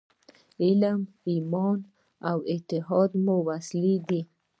علم، ایمان او اتحاد مو وسلې دي.